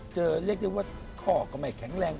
เจอเรียกได้ว่าคอกลงไม่แข็งแรง